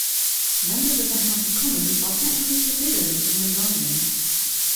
Members of the House of Commons are technically forbidden from resigning.